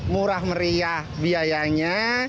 murah meriah biayanya